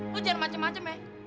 kamu jangan macem macem ya